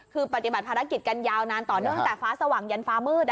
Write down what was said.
คือปฏิบัติภารกิจกันยาวนานต่อเนื่องตั้งแต่ฟ้าสว่างยันฟ้ามืด